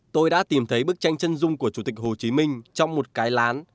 tôi đã tìm thấy bức tranh chân dung của chủ tịch hồ chí minh trong một cái lán